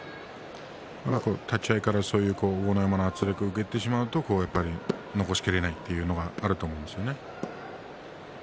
立ち合いから豪ノ山の圧力を受けてしまいますと残しきれないということはあるかもしれません。